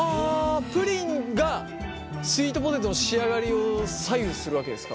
プリンがスイートポテトの仕上がりを左右するわけですか？